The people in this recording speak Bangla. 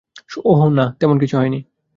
ওহ না, তেমন কিছু হয়নি।